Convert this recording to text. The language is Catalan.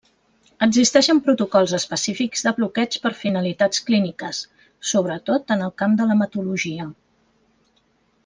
Existeixen protocols específics de bloqueig per finalitats clíniques, sobretot en el camp de l'hematologia.